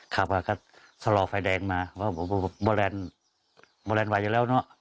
ขับแล้วก็สะลอไฟแดงมาเพราะว่าโบแลนด์โบแลนด์ไว้อยู่แล้วเนอะ